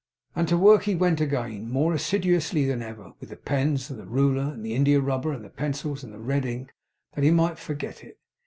And to work he went again, more assiduously than ever, with the pens, and the ruler, and the india rubber, and the pencils, and the red ink, that he might forget it.